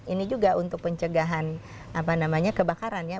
ini juga untuk pencegahan kebakaran ya